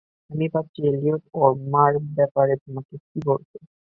আমি ভাবছি এলিয়ট ওর মার ব্যাপারে তোমাকে কি বলেছে।